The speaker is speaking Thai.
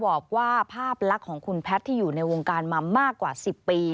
บอกว่าภาพลักษณ์ของคุณแพทย์ที่อยู่ในวงการมามากกว่า๑๐ปี